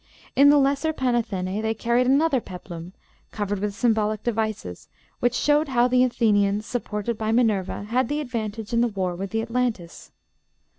In the lesser Panathenæ they carried another peplum (covered with symbolic devices), which showed how the Athenians, supported by Minerva, had the advantage in the war with the Atlantes.'